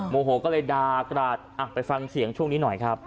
โมโหก็เลยด่ากราศไปฟังเสียงช่วงนี้หน่อยครับ